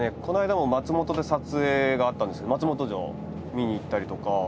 この間も松本で撮影があったんですけど松本城見に行ったりとか。